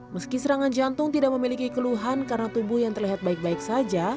meski serangan jantung tidak memiliki keluhan karena tubuh yang terlihat baik baik saja